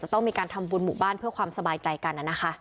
ชาวบ้านหล